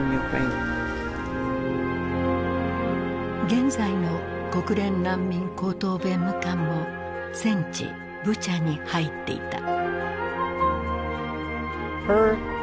現在の国連難民高等弁務官も戦地ブチャに入っていた。